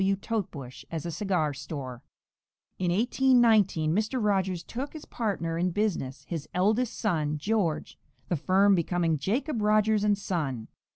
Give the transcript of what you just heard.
W. Totebush as a cigar store. In 1819 Mr. Rogers took as partner in business his eldest son, George, the firm becoming Jacob Rogers & Son.